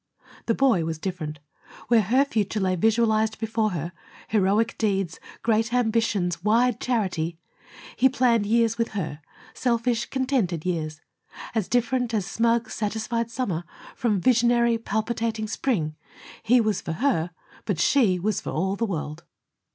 The boy was different. Where her future lay visualized before her, heroic deeds, great ambitions, wide charity, he planned years with her, selfish, contented years. As different as smug, satisfied summer from visionary, palpitating spring, he was for her but she was for all the world.